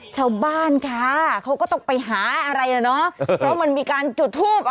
ชาวบ้านค่ะเขาก็ต้องไปหาอะไรอ่ะเนาะเพราะมันมีการจุดทูป